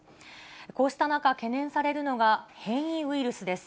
こうした中、懸念されるのが変異ウイルスです。